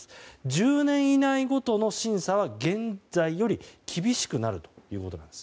１０年以内ごとの審査は現在より厳しくなるということなんです。